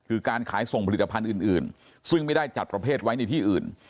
คือการขายส่งผลิตภัณฑ์อื่นซึ่งไม่ได้จัดประเภทไว้ในที่อื่น